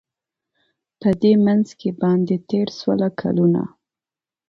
په دې منځ کي باندی تېر سوله کلونه